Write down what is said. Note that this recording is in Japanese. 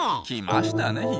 来ましたね